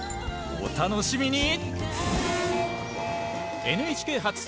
お楽しみに。